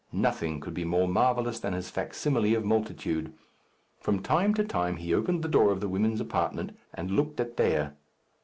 Nothing could be more marvellous than his facsimile of multitude. From time to time he opened the door of the women's apartment and looked at Dea.